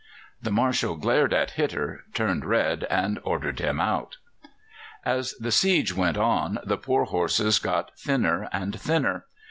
The Marshal glared at Hitter, turned red, and ordered him out. As the siege went on the poor horses got thinner and thinner.